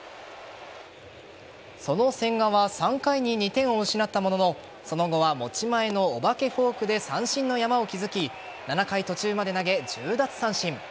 その千賀は３回に２点を失ったもののその後は持ち前のお化けフォークで三振の山を築き７回途中まで投げ、１０奪三振。